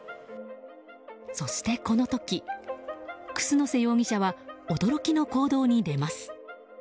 そしてこの時、楠瀬容疑者は驚きの行動に出ます。